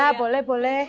ya boleh boleh